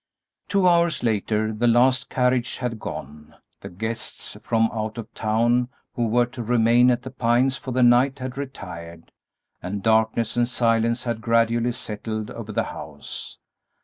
Two hours later the last carriage had gone; the guests from out of town who were to remain at The Pines for the night had retired, and darkness and silence had gradually settled over the house.